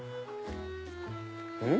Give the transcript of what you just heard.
うん？